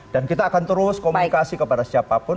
dan kita akan terus komunikasi kepada siapapun